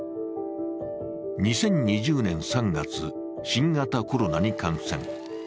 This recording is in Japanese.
２０２０年３月、新型コロナに感染。